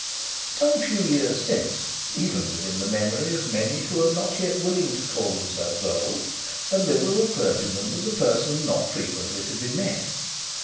Some few years since, even within the memory of many who are not yet willing to call themselves old, a liberal clergyman was a person not frequently to be met.